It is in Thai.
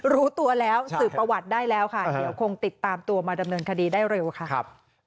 รู้ตัวแล้วสืบประวัติได้แล้วค่ะเดี๋ยวคงติดตามตัวมาดำเนินคดีได้เร็วค่ะ